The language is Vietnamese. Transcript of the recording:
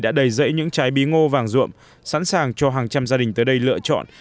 đã đầy rẫy những trái bí ngô vàng ruộm sẵn sàng cho hàng trăm gia đình tới đây lựa chọn